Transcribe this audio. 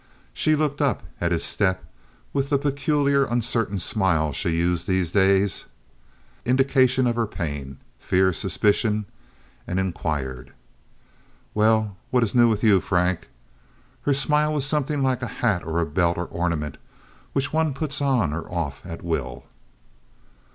She looked up, at his step, with the peculiarly uncertain smile she used these days—indication of her pain, fear, suspicion—and inquired, "Well, what is new with you, Frank?" Her smile was something like a hat or belt or ornament which one puts on or off at will.